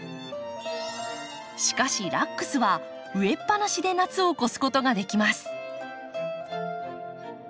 しかしラックスは植えっぱなしで夏を越すことができます。